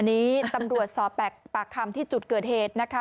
นี้ตำรวจสอบปากคำที่จุดเกิดเหตุนะคะ